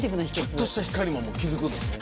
ちょっとした光も気付くんですね。